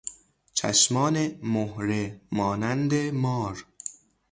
چشمان مهره مانند مار